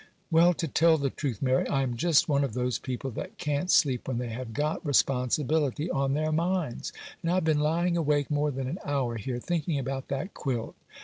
'Well, to tell the truth, Mary, I am just one of those people that can't sleep when they have got responsibility on their minds; and I've been lying awake more than an hour here, thinking about that quilt.